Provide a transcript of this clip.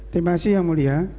terima kasih yang mulia